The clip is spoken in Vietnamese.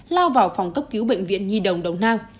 lao vào phòng cấp cứu bệnh viện nhi đồng đồng nai